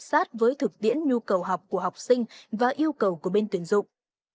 sát với thực tiễn nhu cầu học của học sinh và yêu cầu của bên tuyển dụng